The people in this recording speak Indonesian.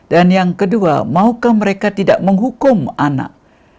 dan yang kedua maukah mereka tidak menghukum anak